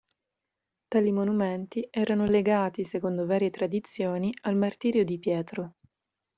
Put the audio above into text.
Tali monumenti erano legati, secondo varie tradizioni, al martirio di Pietro.